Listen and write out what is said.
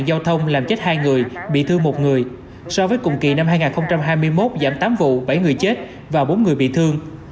giao thông làm chết hai người bị thương một người so với cùng kỳ năm hai nghìn hai mươi một giảm tám vụ bảy người chết và bốn người bị thương